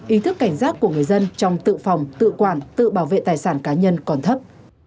ý thức cảnh giác của người dân trong tự phòng tự quản tự bảo vệ tài sản cá nhân còn thấp